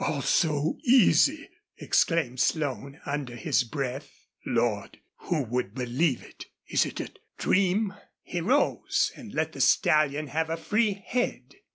"All so easy!" exclaimed Slone, under his breath. "Lord! who would believe it! ... Is it a dream?" He rose and let the stallion have a free head.